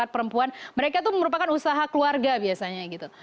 para perempuan mereka itu merupakan usaha keluarga biasanya gitu